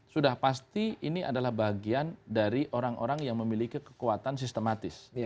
sudah pasti ini adalah bagian dari orang orang yang memiliki kekuatan sistematis